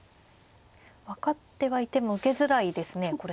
分かってはいても受けづらいですねこれ。